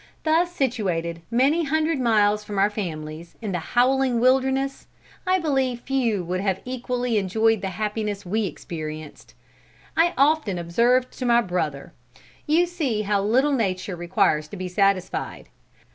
Thus situated, many hundred miles from our families, in the howling wilderness, I believe few would have equally enjoyed the happiness we experienced. I often observed to my brother, 'You see how little nature requires to be satisfied.